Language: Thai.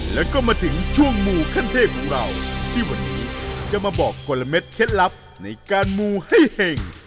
แล้วก็มาถึงช่วงมูขั้นเทพของเราที่วันนี้จะมาบอกคนละเม็ดเคล็ดลับในการมูให้เห็ง